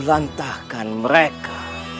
aku lantahkan mereka